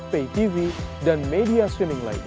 pay tv dan media switning lainnya